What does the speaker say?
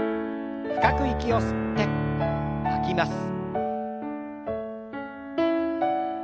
深く息を吸って吐きます。